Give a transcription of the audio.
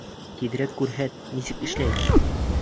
Тиҙерәк күрһәт, нисек эшләй?